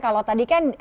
kalau tadi kan